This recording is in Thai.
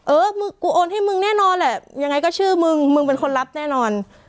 เออมึงกูโอนให้มึงแน่นอนแหละยังไงก็ชื่อมึงมึงเป็นคนรับแน่นอน